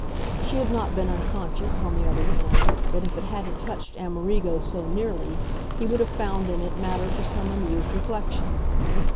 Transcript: She had not been unconscious, on the other hand, that if it hadn't touched Amerigo so nearly he would have found in it matter for some amused reflection.